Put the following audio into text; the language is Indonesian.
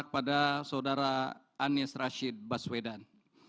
kepada saudara anies rashid baswedan